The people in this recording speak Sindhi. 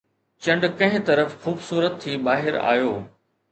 چنڊ ڪنهن طرف خوبصورت ٿي ٻاهر آيو